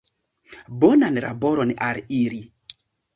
Bonan laboron al ili!